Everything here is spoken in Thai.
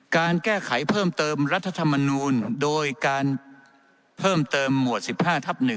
การแก้ไขเพิ่มเติมรัฐธรรมนูลโดยการเพิ่มเติมหมวด๑๕ทับ๑